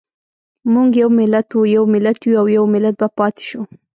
موږ یو ملت وو، یو ملت یو او يو ملت به پاتې شو.